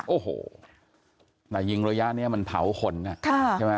โอ้โหแต่ยิงระยะเนี่ยมันเผาคนค่ะ